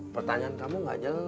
pertanyaan kamu gak jelas